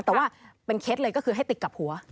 แต่ว่าเป็นเคล็ดเลยก็คือให้ติดกับหัว